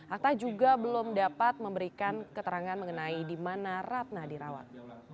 atta juga belum dapat memberikan keterangan mengenai di mana ratna dirawat